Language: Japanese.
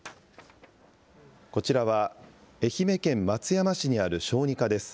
こちらは、愛媛県松山市にある小児科です。